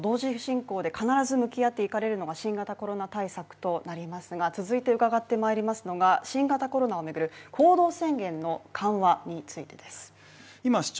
さて今挙げていただいたことと同時進行で必ず向き合っていかれるのが新型コロナ対策となりますが続いて伺ってまいりますのが新型コロナをめぐる行動宣言の緩和についてです